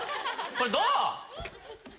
これどう？